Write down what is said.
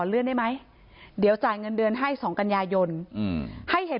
เพราะไม่มีเงินไปกินหรูอยู่สบายแบบสร้างภาพ